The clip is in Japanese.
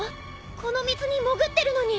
この水に潜ってるのに。